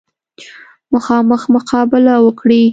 مخامخ مقابله وکړي.